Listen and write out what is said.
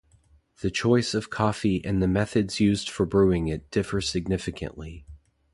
The choice of coffee and the methods used for brewing it differ significantly.